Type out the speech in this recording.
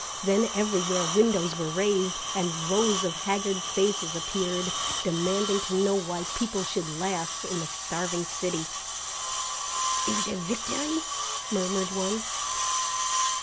Then everywhere windows were raised and rows of haggard faces appeared demanding to know why people should laugh in the starving city. "Is it a victory?" murmured one.